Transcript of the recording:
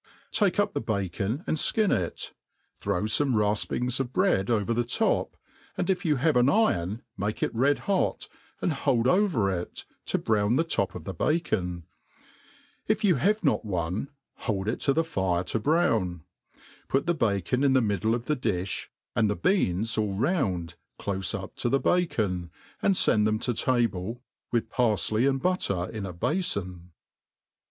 Take up ihe bacon and fkih it; • throw fome rafpings of bread over the top, and if you have an iron, make it red hot and hold over it, to brown the top of the bacon ; if you have not one, hold it to the fire to brown ; put the bacon in the middle of the difti, and the beans all round, clofe up to the bacon, and fend them to table, with parfley and butter in a bafon.